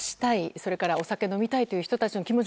それからお酒を飲みたいという人たちの気持ち